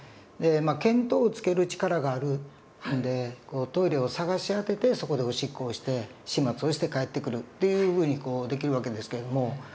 で見当をつける力があるんでトイレを探し当ててそこでおしっこをして始末をして帰ってくるっていうふうにできる訳ですけれども。